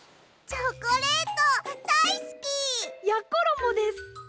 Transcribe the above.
チョコレートだいすき！やころもです。